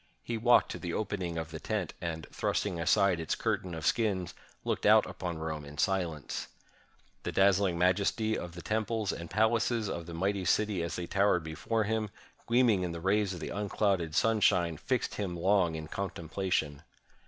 He walked to the opening of the tent, and, thrusting aside its curtain of skins, looked out upon Rome in silence. The dazzUng majesty of the temples and pal aces of the mighty city as they towered before him, gleaming in the rays of the unclouded sunshine, fixed him long in contemplation.